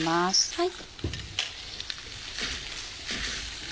はい。